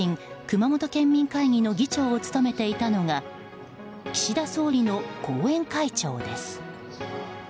熊本県民会議の議長を務めていたのが岸田総理の後援会長です。